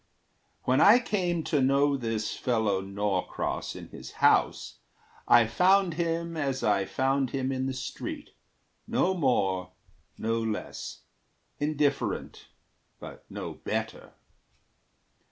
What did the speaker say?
When I came To know this fellow Norcross in his house, I found him as I found him in the street No more, no less; indifferent, but no better.